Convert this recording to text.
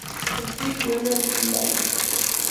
Spike vuelve a Sunnydale.